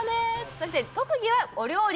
そして特技はお料理